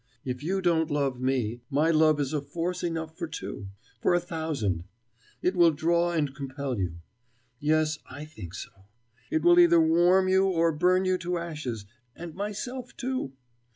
If you don't love me, my love is a force enough for two, for a thousand. It will draw and compel you. Yes, I think so. It will either warm you, or burn you to ashes and myself, too.